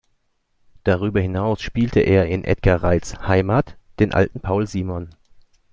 Darüber hinaus spielte er in Edgar Reitz' "Heimat" den alten Paul Simon.